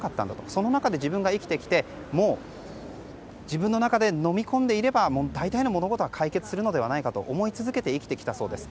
その中で、自分が生きてきてもう自分の中でのみ込んでいれば、大体の物事は解決するのではないかと思い続けて生きてきたそうです。